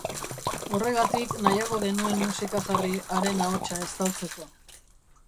Horregatik nahiago genuen musika jarri haren ahotsa estaltzeko.